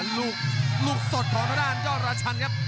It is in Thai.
ลูกสดของด้านย่อละชันครับ